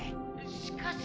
「しかし」。